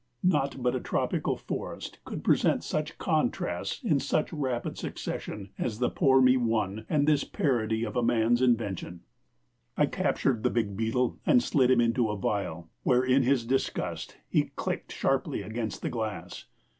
Naught but a tropical forest could present such contrasts in such rapid succession as the poor me one and this parody of man's invention. I captured the big beetle and slid him into a vial, where in his disgust he clicked sharply against the glass.